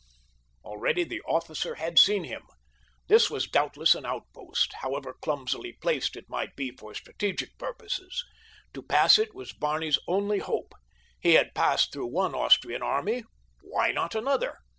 Already the officer had seen him. This was doubtless an outpost, however clumsily placed it might be for strategic purposes. To pass it was Barney's only hope. He had passed through one Austrian army—why not another?